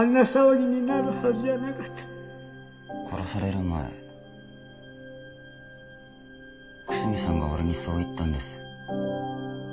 殺される前楠見さんが俺にそう言ったんです。